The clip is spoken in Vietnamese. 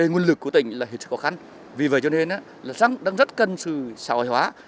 hà tĩnh là huyện sức khó khăn vì vậy cho nên là sáng đang rất cần sự xã hội hóa